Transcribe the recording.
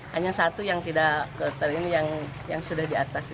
hanya satu yang tidak ke kantor ini yang sudah di atas